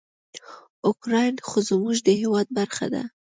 اوکراین خو زموږ د هیواد برخه ده.